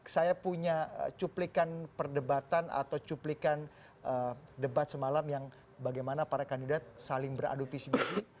saya punya cuplikan perdebatan atau cuplikan debat semalam yang bagaimana para kandidat saling beradu visi misi